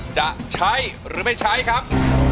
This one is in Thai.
จะใช้หรือไม่ใช้ครับ